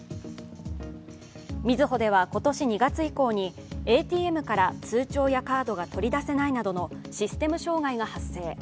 みずほでは今年２月以降にＡＴＭから通帳やカードが取り出せないなどのシステム障害が発生。